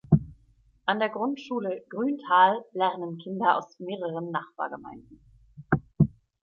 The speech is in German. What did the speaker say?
An der Grundschule Grüntal lernen Kinder aus mehreren Nachbargemeinden.